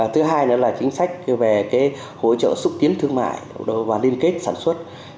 thứ hai là chính sách về hỗ trợ xúc tiến thương mại và liên kết